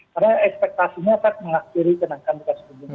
karena ekspektasinya fed mengakhiri kenaikan tingkat cukup bunga